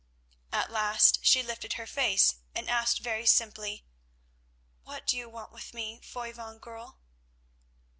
At last she lifted her face and asked very simply: "What do you want with me, Foy van Goorl?"